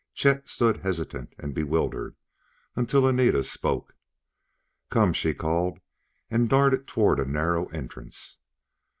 Chet stood hesitant and bewildered, until Anita spoke. "Come!" she called, and darted toward a narrow entrance.